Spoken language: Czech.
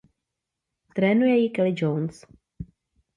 Trénuje ji Kelly Jones.